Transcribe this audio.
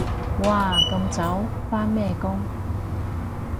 哇咁早？返咩工？